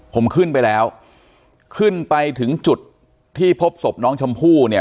ผมขึ้นไปแล้วขึ้นไปถึงจุดที่พบศพน้องชมพู่เนี่ย